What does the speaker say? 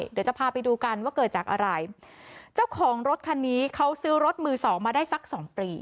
เดี๋ยวจะพาไปดูกันว่าเกิดจากอะไรเจ้าของรถคันนี้เขาซื้อรถมือสองมาได้สักสองปี